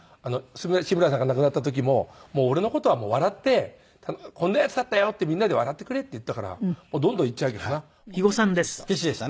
志村さんが亡くなった時も俺の事は笑ってこんなヤツだったよってみんなで笑ってくれって言ったからどんどん言っちゃうけどな本当にケチでした。